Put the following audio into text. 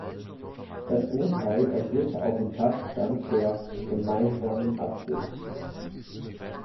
Das Urteil basierte auf dem Tatbestand der "gemeinsamen Absicht.